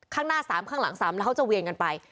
ข้างหน้า๓ข้างหลัง๓แล้วเขาจะเวียนกันไป